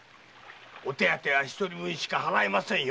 お手当ては一人分しか払いませんよ！